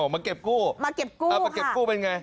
มาเก็บกู้มาเก็บกู้ค่ะ